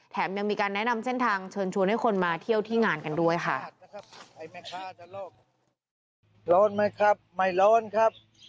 ยังมีการแนะนำเส้นทางเชิญชวนให้คนมาเที่ยวที่งานกันด้วยค่ะ